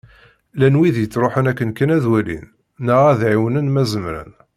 Llan wid yettruḥun akken kan ad walin, neɣ ad ɛiwnen ma zemren.